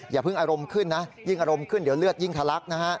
อย่าเพิ่งอารมณ์ขึ้นนะยิ่งอารมณ์ขึ้นเดี๋ยวเลือดยิ่งทะลักนะฮะ